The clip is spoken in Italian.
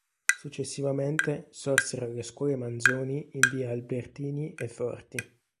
Successivamente sorsero le scuole Manzoni in via Albertini e Forti.